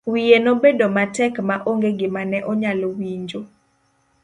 Wiye nobedo matek ma onge gima ne onyalo winjo.